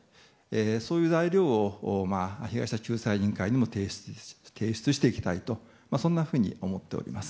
そういう材料を被害者救済委員会にも提出していきたいとそんなふうに思っております。